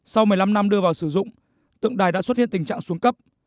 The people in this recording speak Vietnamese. sau một mươi năm năm đưa vào sử dụng tượng đài đã xuất hiện tình trạng xuống cấp